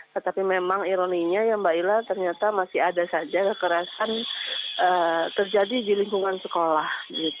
tetapi memang ironinya ya mbak ila ternyata masih ada saja kekerasan terjadi di lingkungan sekolah